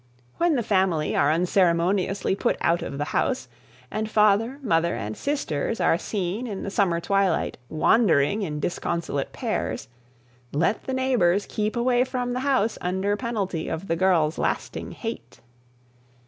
When the family are unceremoniously put out of the house, and father, mother, and sisters are seen in the summer twilight, wandering in disconsolate pairs, let the neighbours keep away from the house under penalty of the girl's lasting hate.